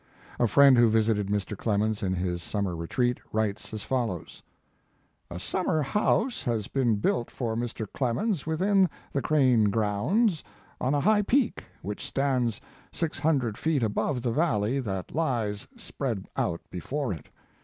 A friend who visited Mr. Clemens in his summer retreat, writes as follows: * A summer house has been built for Mr. Clemens within the Crane grounds, on a high peak, which stands six hun dred feet above the valley that lies spread out before it.